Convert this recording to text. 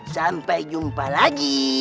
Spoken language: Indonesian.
sampai jumpa lagi